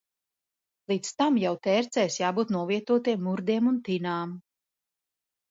Līdz tam jau tērcēs jābūt novietotiem murdiem un tinām.